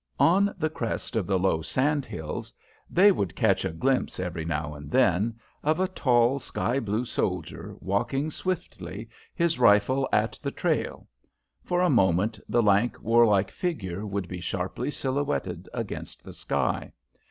On the crest of the low sand hills they would catch a glimpse every now and then of a tall, sky blue soldier, walking swiftly, his rifle at the trail. For a moment the lank, warlike figure would be sharply silhouetted against the sky.